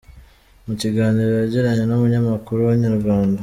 Mu kiganiro yagiranye n’umunyamakuru wa Inyarwanda.